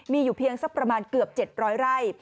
มีอยู่เพียงสักประมาณเกือบ๗๐๐ไร่